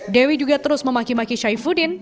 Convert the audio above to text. dewi juga terus memaki maki syai fudin